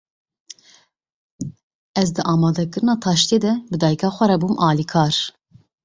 Ez di amadekirina taştê de bi dayîka xwe re bûm alîkar.